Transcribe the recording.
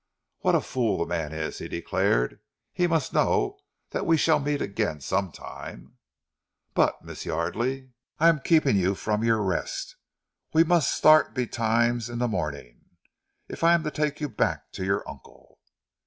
"What a fool the man is!" he declared. "He must know that we shall meet again some time!... But, Miss Yardely, I am keeping you from your rest! We must start betimes in the morning if I am to take you back to your uncle."